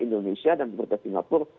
indonesia dan pemerintah singapura